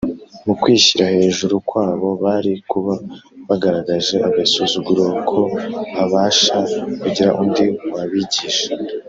. Mu kwishyira hejuru kwabo, bari kuba bagaragaje agasuzuguro ko habasha kugira undi wabigisha